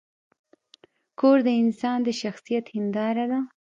کور د انسان د شخصیت هنداره ده.